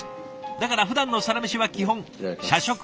だからふだんのサラメシは基本社食。